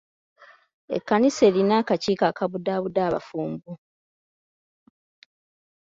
Ekkanisa erina akakiiko akabudaabuda abafumbo.